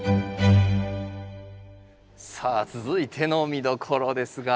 さあ続いての見どころですが。